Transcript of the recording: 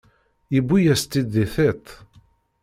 Yewwi-yas-tt-id di tiṭ.